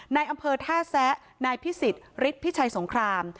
ในอำเภอท่าแซะนายพิสิทธิ์ฤทธิพิชัยสงคราม